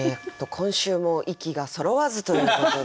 今週も息がそろわずということで。